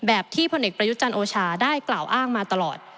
แบบที่พลเนกประยุจรรย์โอชาได้กล่าวอ้างมาตลอด